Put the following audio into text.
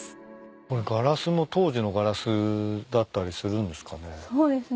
これガラスも当時のガラスだったりするんですかね？